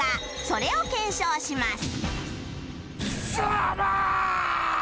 それを検証します